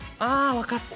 分かった！